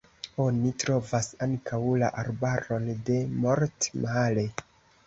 Oni trovas ankaŭ la arbaron de Mort-Mare.